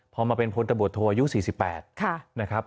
พอมาเป็นพนตะบุดโทอายุ๔๘นะครับ